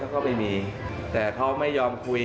ก็ไม่มีแต่เขาไม่ยอมคุย